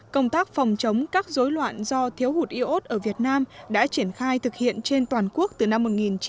công tác phòng chống các dối loạn do thiếu hụt iốt ở việt nam đã triển khai thực hiện trên toàn quốc từ năm một nghìn chín trăm tám mươi